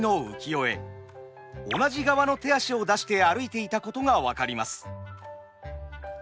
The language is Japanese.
同じ側の手足を出して歩いていたことが分かります。